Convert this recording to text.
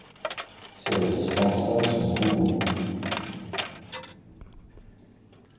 Ces résistances-là sont bourrues.